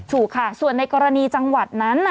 ถูกค่ะส่วนในกรณีจังหวัดนั้น